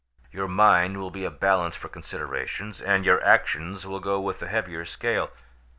Your mind will be a balance for considerations, and your action will go with the heavier scale.